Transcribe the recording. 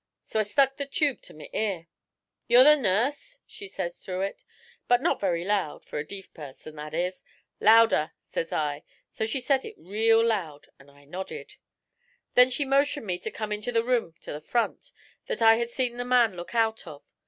So I stuck the tube to my ear. '"You're the nurse?" she says through it, but not very loud, for a deef person, that is. "Louder," sez I. So she sed it real loud, an' I nodded. 'Then she motioned me to come into the room to the front, that I had seen the man look out of.